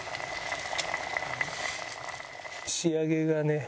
仕上げがね。